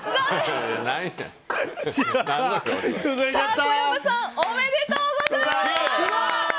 小籔さんおめでとうございます！